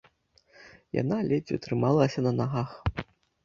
Яна ледзьве трымалася на нагах.